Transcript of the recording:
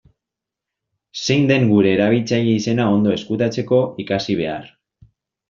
Zein den gure erabiltzaile-izena ondo ezkutatzeko, ikasi behar.